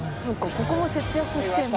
ここも節約してるんだ。